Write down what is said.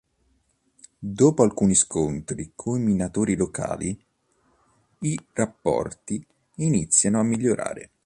Dopo alcuni scontri con i minatori locali, i rapporti iniziano a migliorare.